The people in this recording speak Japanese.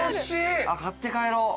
買って帰ろう。